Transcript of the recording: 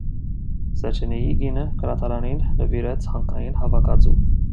Սեչենիի կինը գրադարանին նվիրեց հանքային հավաքածու։